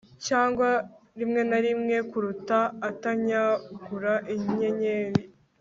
cyangwa rimwe na rimwe kuruti atanyagura inyenyeri